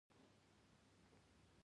دا له جانبي عوارضو څخه ده.